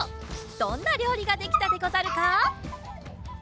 どんなりょうりができたでござるか？